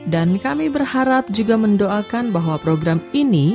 dan kami berharap juga mendoakan bahwa program ini